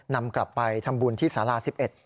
นำกลับไปทำบุญที่ศาลาสิบเอ็ด